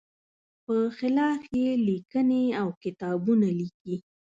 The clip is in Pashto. په خلاف یې لیکنې او کتابونه لیکي.